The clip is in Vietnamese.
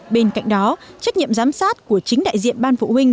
bên cạnh đó trách nhiệm giám sát của chính đại diện ban phụ huynh